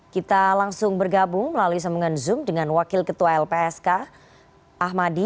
kita langsung bergabung melalui sambungan zoom dengan wakil ketua lpsk ahmadi